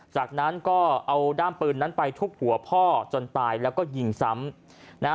จากนั้นก็เอาด้ามปืนนั้นไปทุบหัวพ่อจนตายแล้วก็ยิงซ้ำนะฮะ